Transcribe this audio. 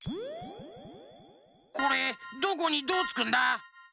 これどこにどうつくんだ？